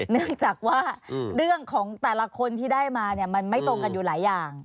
เนื่องจากว่าเรื่องของแต่ละคนที่ได้มาเนี่ยมันไม่ตรงกันอยู่หลายอย่าง